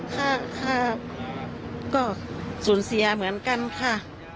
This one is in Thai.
ค่ะค่ะก็ศูนย์เสียเหมือนกันค่ะ